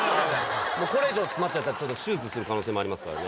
もうこれ以上、詰まっちゃったらちょっと手術する可能性もありますからね。